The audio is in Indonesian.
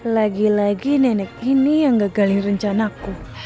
lagi lagi nenek ini yang ngegalin rencanaku